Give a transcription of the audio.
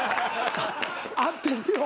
合ってるよ。